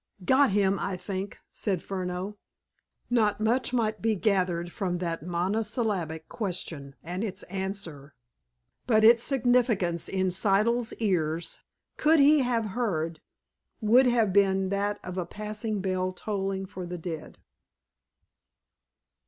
"Got him, I think," said Furneaux. Not much might be gathered from that monosyllabic question and its answer, but its significance in Siddle's ears, could he have heard, would have been that of the passing bell tolling for the dead.